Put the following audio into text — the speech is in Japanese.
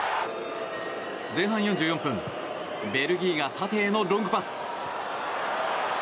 前半４４分ベルギーが縦へのロングパス。